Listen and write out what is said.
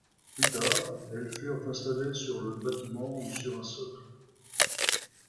Plus tard, elles furent installées sur le bâtiment ou sur un socle.